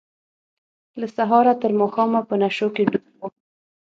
له سهاره تر ماښامه په نشو کې ډوب وه.